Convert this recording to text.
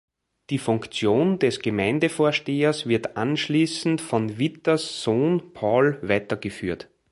Die Funktion des Gemeindevorstehers wird anschließend von Wittes Sohn Paul weitergeführt.